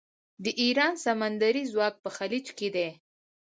د ایران سمندري ځواک په خلیج کې دی.